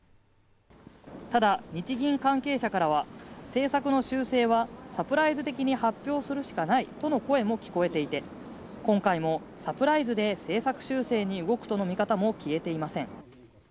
ただ、日銀関係者からは、政策の修正は、サプライズ的に発表するしかないとの声も聞こえていて、今回もサプライズで政策修正に動くとの見方も消えていません。